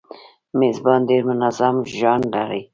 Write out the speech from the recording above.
میږیان ډیر منظم ژوند لري